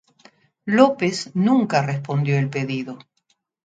López nunca respondió el pedido.